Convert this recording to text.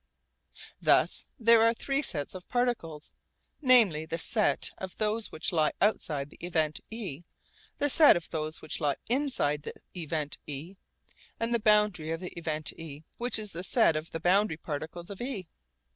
Thus there are three sets of particles, namely the set of those which lie outside the event e, the set of those which lie inside the event e, and the boundary of the event e which is the set of boundary particles of e.